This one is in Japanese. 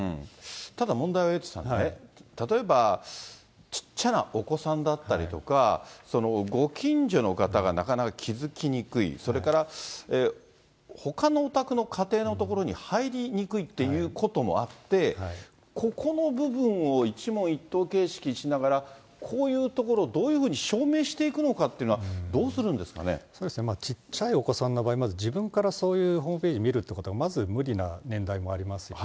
ただ問題はエイトさんね、例えばちっちゃなお子さんだったりとか、ご近所の方が、なかなか気付きにくい、それからほかのお宅の家庭のところに入りにくいっていうこともあって、ここの部分を一問一答形式にしながら、こういうところをどういうふうに証明していくのかっていうのは、そうですね、小っちゃいお子さんの場合、自分からそういうホームページを見るってことが、まず無理な年代もありますよね。